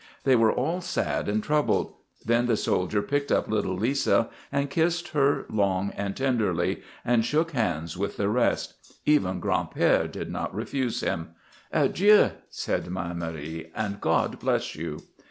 They were all sad and troubled. Then the soldier picked up little Lisa and kissed her long and tenderly, and shook hands with the rest. Even Gran'père did not refuse him. "Adieu," said Mère Marie, "and God bless you!"